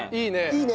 いいね！